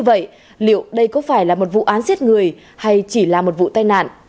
vậy liệu đây có phải là một vụ án giết người hay chỉ là một vụ tai nạn